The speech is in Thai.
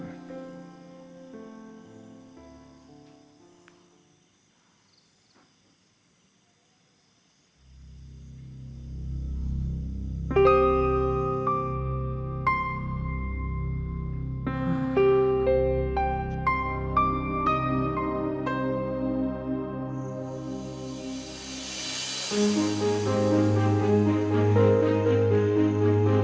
คุณปลอย